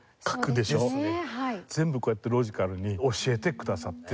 全部こうやってロジカルに教えてくださって。